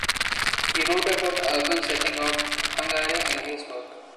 He wrote about the urban setting of Hungary in his work.